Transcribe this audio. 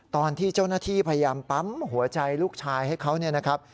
ตอนที่เจ้าหน้าที่พยายามปั๊มหัวใจลูกชายให้เขาเนี่ยนะครับ